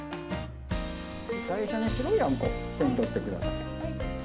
最初に白いあんこを手に取ってください。